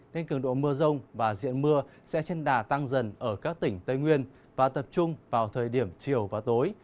nên cường độ mưa rông và diện mưa sẽ trên đà tăng dần ở các tỉnh tây nguyên và tập trung vào thời điểm chiều và tối